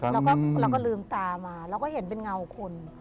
เราก็ลืมตามาเราก็เห็นเป็นเงาคน